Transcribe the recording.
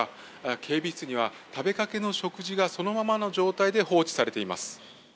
警備室には食べかけの食事がそのままの状態で放置されています。